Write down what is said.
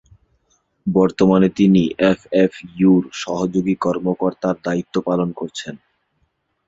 বর্তমানে তিনি এফএফইউ’র সহযোগী কর্মকর্তার দায়িত্ব পালন করছেন।